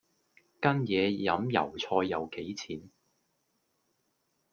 跟野飲油菜又幾錢